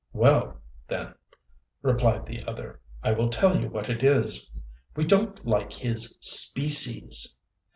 "Well, then," replied the other, "I will tell you what it is. We don't like his species."